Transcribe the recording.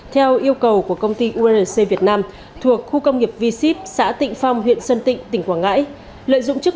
theo yêu cầu của công ty ulc việt nam thuộc khu công nghiệp v sip xã tịnh phong huyện sơn tịnh tỉnh quảng ngãi